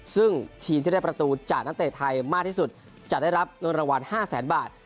ซึ่งทีมที่ได้ประตูจากนักเตะไทยมากที่สุดจะได้รับเงินรางวัล๕แสนบาท